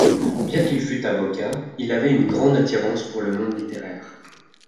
Bien qu'il fût avocat, il avait une grande attirance pour le monde littéraire.